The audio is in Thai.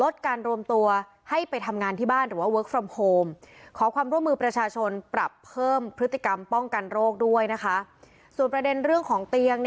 ส่วนประเด็นเรื่องของเตียง